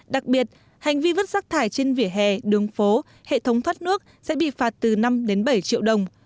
đặc biệt hành vi vứt rác thải trên vỉa hè đường phố hệ thống thoát nước sẽ bị phạt từ năm đến bảy triệu đồng